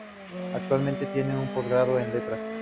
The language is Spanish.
Actualmente, tiene un posgrado en Letras.